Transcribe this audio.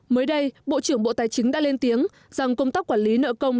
mới đây bộ trưởng bộ tài chính đã lên tiếng rằng công tác quản lý nợ công